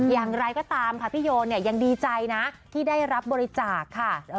อย่างไรก็ตามค่ะพี่โยนเนี่ยยังดีใจนะที่ได้รับบริจาคค่ะ